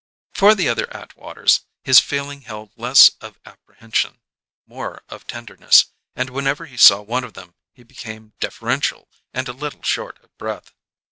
For the other Atwaters his feeling held less of apprehension, more of tenderness; and whenever he saw one of them he became deferential and a little short of breath.